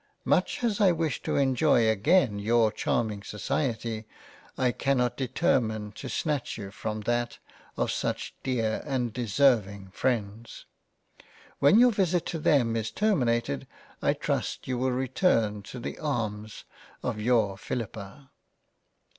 Much as I wish to enjoy again your charming society, I cannot determine to snatch you from that, of such dear and deserving Freinds — When your Visit to them is termi nated, I trust you will return to the arms of your "" Philippa."